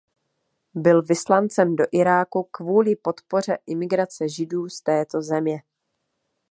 Byl vyslancem do Iráku kvůli podpoře imigrace Židů z této země.